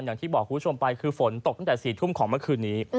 อย่างที่บอกคุณผู้ชมไปคือฝนตกตั้งแต่๔ทุ่มของเมื่อคืนนี้